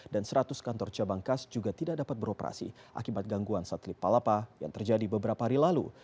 dan seratus kantor cabang kas juga tidak dapat beroperasi akibat gangguan satelit palapa yang terjadi beberapa hari lalu